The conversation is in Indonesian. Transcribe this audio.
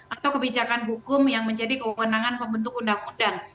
atau kebijakan hukum yang menjadi kewenangan pembentuk undang undang